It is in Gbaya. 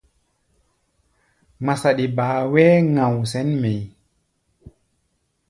Ŋma saɗi baá wee ŋgao sɛ̌n mɛʼí̧.